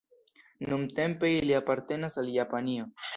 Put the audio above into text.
Nuntempe ili apartenas al Japanio.